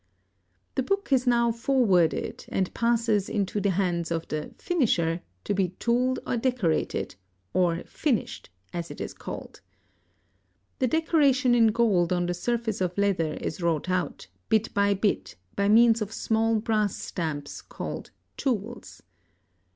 The book is now "forwarded," and passes into the hands of the "finisher" to be tooled or decorated, or "finished" as it is called. The decoration in gold on the surface of leather is wrought out, bit by bit, by means of small brass stamps called "tools."